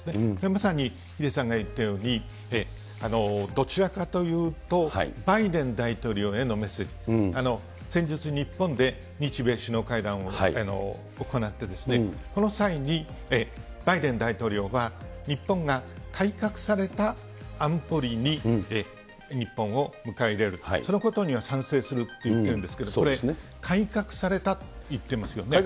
まさにヒデさんが言ったように、どちらかというとバイデン大統領へのメッセージ、先日、日本で日米首脳会談を行って、この際にバイデン大統領は、日本が改革された安保理に日本を迎え入れると、そのことには賛成するって言ってるんですけど、これ、改革されたと言っていますよね。